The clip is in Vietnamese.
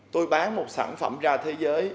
tôi bán một sản phẩm ra thế giới